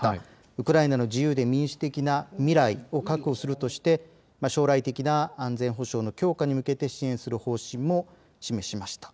ウクライナの自由で民主的な未来を確保するとして将来的な安全保障の強化に向けて支援する方針も示しました。